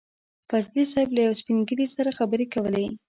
فضلي صیب له يو سپين ږيري سره خبرې کولې.